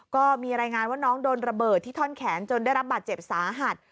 ก็มีรายงานว่าน้องโดนระเบิดที่ท่อนแขนจนได้รับบาดเจ็บสาหัส